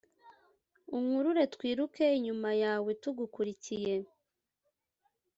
Unkurure twiruke inyuma yawe tugukurikiye